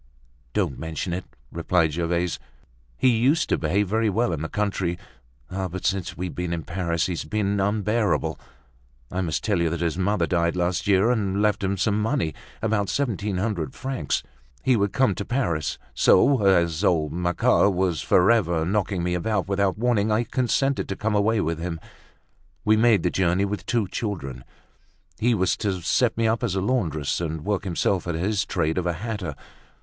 "Don't mention it!" replied Gervaise. "He used to behave very well in the country; but, since we've been in Paris, he's been unbearable. I must tell you that his mother died last year and left him some money—about seventeen hundred francs. He would come to Paris, so, as old Macquart was forever knocking me about without warning, I consented to come away with him. We made the journey with two children. He was to set me up as a laundress, and work himself at his trade of a hatter.